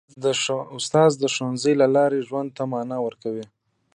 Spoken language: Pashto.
استاد د ښوونې له لارې ژوند ته مانا ورکوي.